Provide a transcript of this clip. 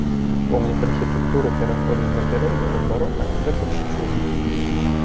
Помнік архітэктуры пераходнага перыяду ад барока да класіцызму.